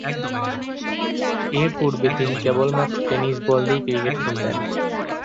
এরপূর্বে তিনি কেবলমাত্র টেনিস বল দিয়ে ক্রিকেট খেলতেন।